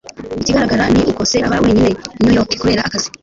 ikigaragara ni uko se aba wenyine i new york kubera akazi